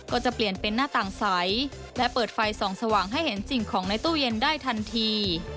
ก็จะเปลี่ยนเป็นหน้าต่างใสและเปิดไฟส่องสว่างให้เห็นสิ่งของในตู้เย็นได้ทันที